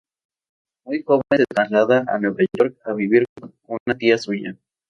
Muy joven se trasladó a Nueva York a vivir con una tía suya.